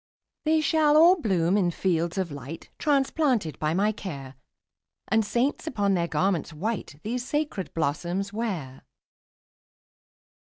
``They shall all bloom in fields of light, Transplanted by my care, And saints, upon their garments white, These sacred blossoms wear.''